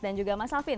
dan juga mas alvin